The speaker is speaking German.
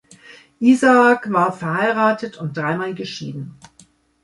Isaac war verheiratet und dreimal geschieden.